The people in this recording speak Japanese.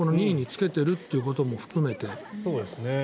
２位につけているということも含めて。